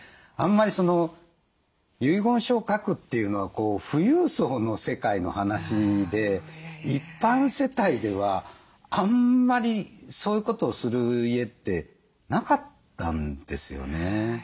あんまり遺言書を書くっていうのは富裕層の世界の話で一般世帯ではあんまりそういうことをする家ってなかったんですよね。